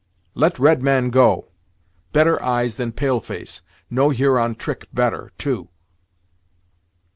"Let red man go. Better eyes than pale face know Huron trick better, too."